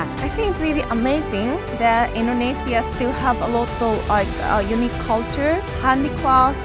saya pikir itu sangat luar biasa bahwa indonesia masih memiliki banyak kultur unik hanyut